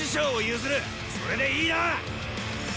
それでいいな！